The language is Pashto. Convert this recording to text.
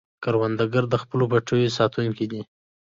کروندګر د خپلو پټیو ساتونکی دی